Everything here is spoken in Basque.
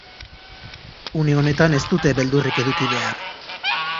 Une honetan ez dute beldurrik eduki behar.